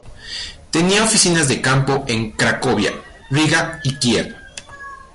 Tenía oficinas de campo en Cracovia, Riga y Kiev.